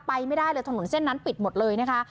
ไปไม่ได้เลยถนนเส้นนั้นปิดหมดเลยนะคะ